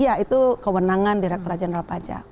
ya itu kewenangan direkturat jenderal pajak